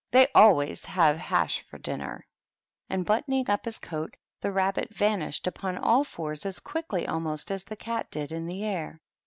They always have hash for dinner." And, buttoning up his coat, the Rabbit van ished upon all fours as quickly almost as the Cat did in the air.